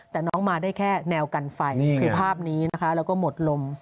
แต่น้องมาได้แค่แนวกันไฟคือภาพนี้นะคะแล้วก็หมดลม